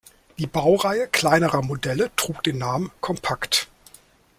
Die Baureihe kleinerer Modelle trug den Namen „Compact“.